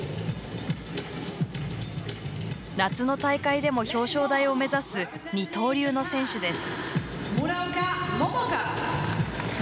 夏の大会でも表彰台を目指す二刀流の選手です。